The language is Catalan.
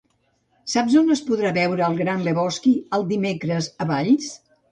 Saps on es podrà veure "El gran Lebowski" el dimecres a Valls?